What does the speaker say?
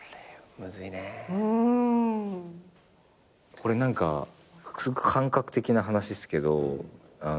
これ何か感覚的な話っすけど。